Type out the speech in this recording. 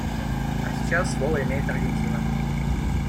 А сейчас слово имеет Аргентина.